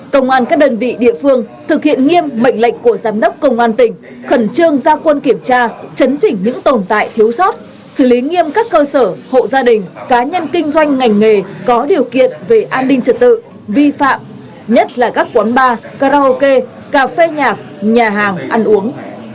công an các đơn vị địa phương thực hiện nghiêm mệnh lệnh của giám đốc công an tỉnh khẩn trương ra quân kiểm tra chấn chỉnh những tồn tại thiếu sót xử lý nghiêm các cơ sở hộ gia đình cá nhân kinh doanh ngành nghề có điều kiện về an ninh trật tự vi phạm nhất là các quán bar karaoke cà phê nhạc nhà hàng ăn uống